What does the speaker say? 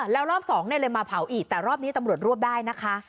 แล้วรอบสองเลยมาเผาอีกแต่รอบนี้ตำรวจรวบได้นะคะ